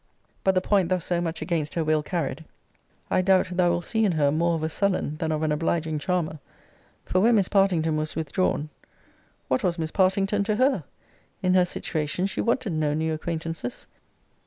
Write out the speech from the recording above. But the point thus so much against her will carried, I doubt thou will see in her more of a sullen than of an obliging charmer: for, when Miss Partington was withdrawn, 'What was Miss Partington to her? In her situation she wanted no new acquaintances.